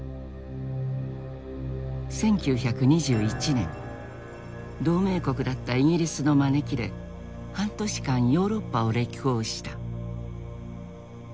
１９２１年同盟国だったイギリスの招きで半年間ヨーロッパを歴訪した。